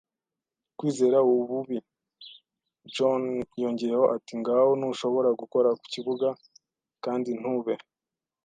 kwizera ububi. John yongeyeho ati: “Ngaho, ntushobora gukora ku kibuga kandi ntube